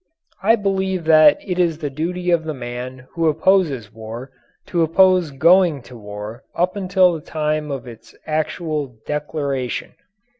I believe that it is the duty of the man who opposes war to oppose going to war up until the time of its actual declaration.